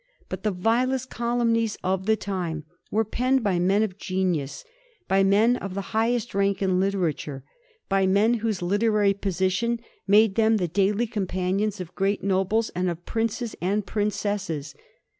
But the vilest calum nies of the time were penned by men of genius, by men of the highest rank in literature ; by men whose literary position made them the daily companions of great nobles and of princes and princesses.